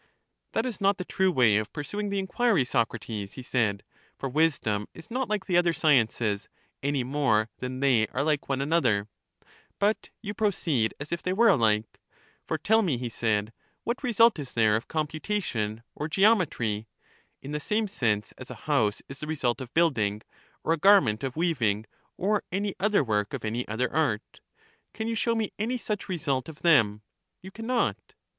That is not the true way of pursuing the inquiry, Socrates, he said; for wisdom is not like the other sciences, any more than they are like one another: but you proceed as if they were ahke. For tell me. 26 CHARMIDES he said, what result is there of computation or geom etry, in the same sense as a house is the result of build ing, or a garment of weaving, or any other work of any other art? Can you show me any such result of them? You can not.